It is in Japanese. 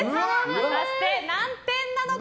果たして何点なのか。